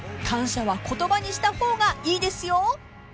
［感謝は言葉にした方がいいですよ］